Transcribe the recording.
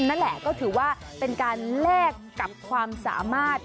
นั่นแหละก็ถือว่าเป็นการแลกกับความสามารถ